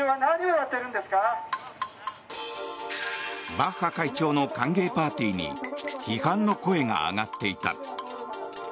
バッハ会長の歓迎パーティーに批判の声が上がっていた。